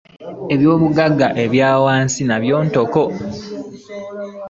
Ebyobugagga ebya wansi nga nabyo ntoko.